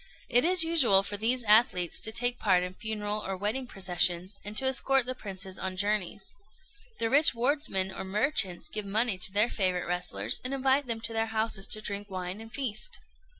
It is usual for these athletes to take part in funeral or wedding processions, and to escort the princes on journeys. The rich wardsmen or merchants give money to their favourite wrestlers, and invite them to their houses to drink wine and feast.